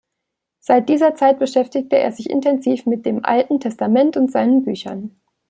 Seit dieser Zeit beschäftigt er sich intensiv mit dem Alten Testament und seinen Büchern.